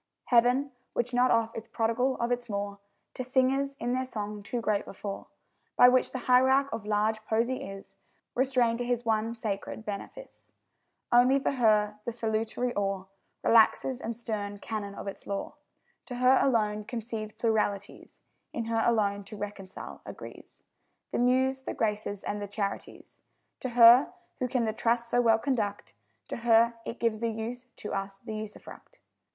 Heaven, which not oft is prodigal of its more To singers, in their song too great before By which the hierarch of large poesy is Restrained to his one sacred benefice Only for her the salutary awe Relaxes and stern canon of its law; To her alone concedes pluralities, In her alone to reconcile agrees The Muse, the Graces, and the Charities; To her, who can the trust so well conduct, To her it gives the use, to us the usufruct.